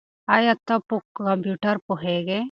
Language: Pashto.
ایا ته په کمپیوټر پوهېږې؟